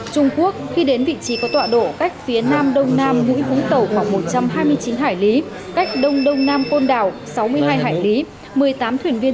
trung quốc khi đến vị trí có tọa độ cách phía nam đông nam vũi vũng tàu khoảng một trăm hai mươi chín hải lý